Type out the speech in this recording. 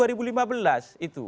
berarti baru delapan bulan pak joko